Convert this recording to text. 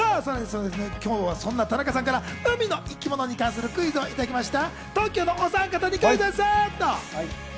そんな田中さんから海の生き物に関するクイズをいただきました。